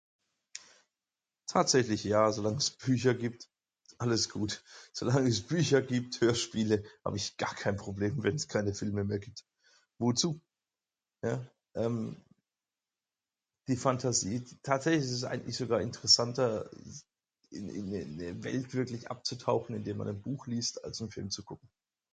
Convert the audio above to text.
Tatsächlich ja, solang es [unintelligible] Bücher gibt alles gut. Solang es Bücher gibt, Hörspiele, hab ich gar kein Problem mit wenns keine Filme mehr gibt. Wozu? Ja ehm. Die Fantasy, tatsächlich ist es eigentlich sogar interessanter in in in eine Welt wirklich abzutauchen indem man ein Buch liest als nen Film zu gucken.